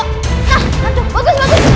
nah bagus bagus